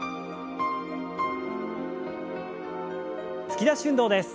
突き出し運動です。